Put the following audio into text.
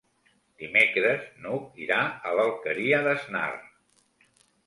Dimecres n'Hug irà a l'Alqueria d'Asnar.